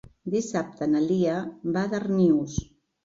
Dissabte na Lia va a Darnius.